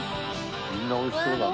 みんな美味しそうだね。